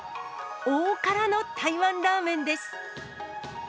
大辛の台湾ラーメンです。